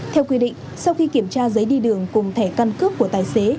theo quy định sau khi kiểm tra giấy đi đường cùng thẻ căn cước của tài xế